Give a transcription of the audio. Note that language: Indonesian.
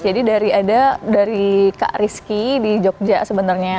jadi dari ada dari kak rizky di jogja sebenarnya